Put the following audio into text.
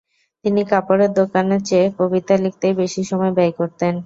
তিনি কাপড়ের দোকানের চেয়ে কবিতা লিখতেই বেশি সময় ব্যয় করতেন।